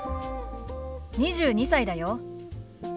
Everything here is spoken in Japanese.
２２歳だよ。